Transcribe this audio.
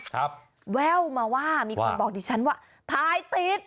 ครับว่าแว่วมาว่ามีคนบอกดิฉันว่าถ่ายติด